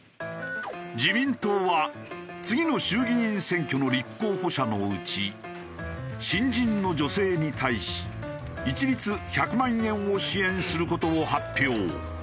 自民党は次の衆議院選挙の立候補者のうち新人の女性に対し一律１００万円を支援する事を発表。